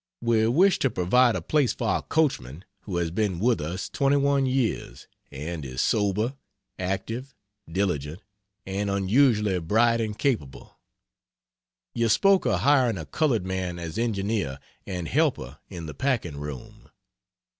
We wish to provide a place for our coachman, who has been with us a 21 years, and is sober, active, diligent, and unusually bright and capable. You spoke of hiring a colored man as engineer and helper in the packing room.